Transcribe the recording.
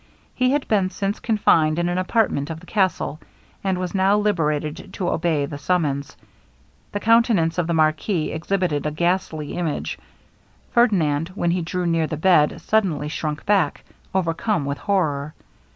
He had been since confined in an apartment of the castle, and was now liberated to obey the summons. The countenance of the marquis exhibited a ghastly image; Ferdinand, when he drew near the bed, suddenly shrunk back, overcome with horror.